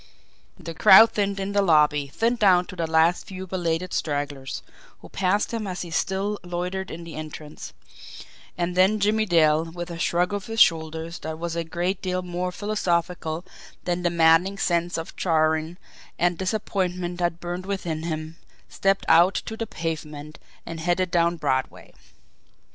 The crowd thinned in the lobby, thinned down to the last few belated stragglers, who passed him as he still loitered in the entrance; and then Jimmie Dale, with a shrug of his shoulders that was a great deal more philosophical than the maddening sense of chagrin and disappointment that burned within him, stepped out to the pavement and headed down Broadway.